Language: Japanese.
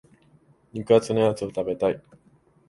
肉厚なやつ食べたい。